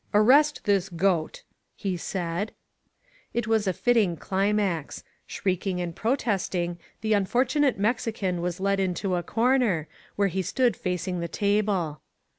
"Arrest this goat!" he said. It was a fitting climax. Shrieking and protesting, the unfortunate Mexican was led into a comer, where he stood facing the table.